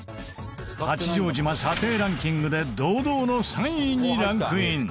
八丈島査定ランキングで堂々の３位にランクイン！